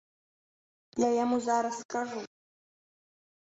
Я яму зараз скажу.